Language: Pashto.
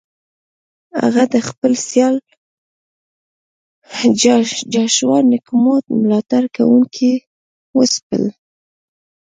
هغه د خپل سیال جاشوا نکومو ملاتړ کوونکي وځپل.